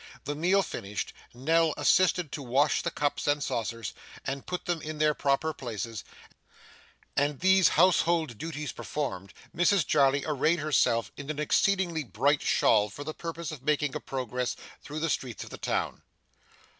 The meal finished, Nell assisted to wash the cups and saucers, and put them in their proper places, and these household duties performed, Mrs Jarley arrayed herself in an exceedingly bright shawl for the purpose of making a progress through the streets of the town.